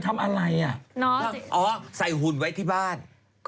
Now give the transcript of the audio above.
เอ้าใส่หุ่นไว้ที่บ้าน